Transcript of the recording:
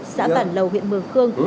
xã bản lầu huyện mường khương